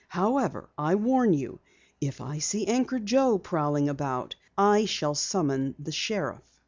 However, I warn you, if I see Anchor Joe prowling about, I shall summon the sheriff."